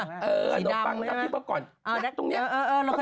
กิจแรงถึงบ้างก่อน